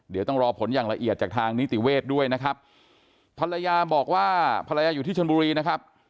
เดี๋ยวต้องรอผลอย่างละเอียดจากทางนิติเวทด้วยนะครับภรรยาบอกว่าภรรยาอยู่ที่ชนบุรีนะครับ